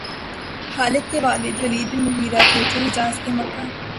خالد کے والد ولید بن مغیرہ تھے، جو حجاز کے مکہ